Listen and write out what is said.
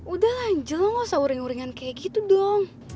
udah lah angel lo gak usah uring uringan kayak gitu dong